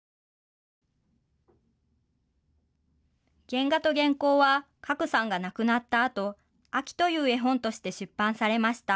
原画と原稿はかこさんが亡くなったあと秋という絵本として出版されました。